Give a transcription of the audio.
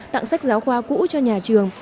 tặng sách giáo khoa cũ cho nhà trường